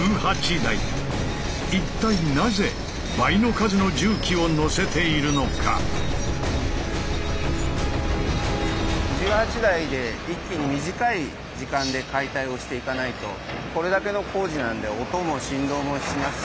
一体なぜ倍の数の１８台で一気に短い時間で解体をしていかないとこれだけの工事なんで音も振動もしますし。